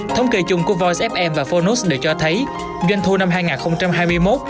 thống kỳ chung của voice fm và phonos đều cho thấy doanh thu năm hai nghìn hai mươi một